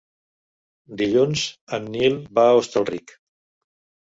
Dilluns en Nil va a Hostalric.